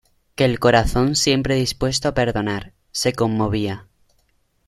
que el corazón siempre dispuesto a perdonar, se conmovía.